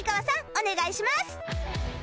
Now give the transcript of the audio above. お願いします